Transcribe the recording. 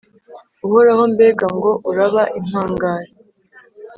uhoraho, mbega ngo uraba impangare